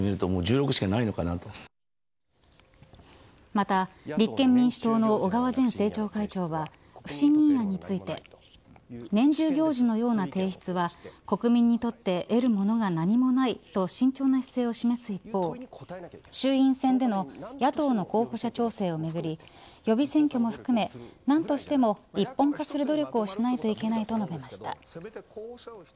また、立憲民主党の小川前政調会長は不信任案について年中行事のような提出は国民にとって得るものが何もないと慎重な姿勢を示す一方衆院選での野党の候補者調整をめぐり予備選挙も含め何としても一本化する努力をしないといけないと述べました。